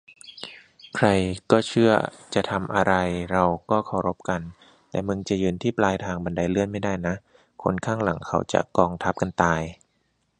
ใครก็เชื่อจะทำอะไรเราก็เคารพกัน แต่มึงจะยืนที่ปลายทางบันไดเลื่อนไม่ได้นะ คนข้างหลังเขาจะกองทับกันตาย